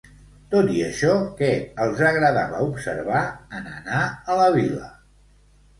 Tot i això, què els agradava observar en anar a la vila?